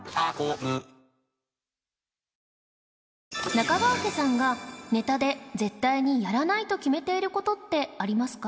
中川家さんがネタで絶対にやらないと決めている事ってありますか？